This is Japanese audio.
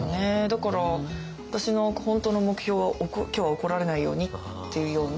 だから私の本当の目標は「今日は怒られないように」っていうような。